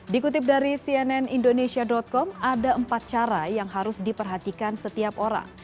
dikutip dari cnn indonesia com ada empat cara yang harus diperhatikan setiap orang